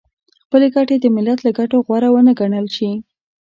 خپلې ګټې د ملت له ګټو غوره ونه ګڼل شي .